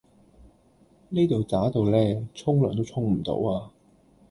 呢度渣到呢沖涼都沖唔到啊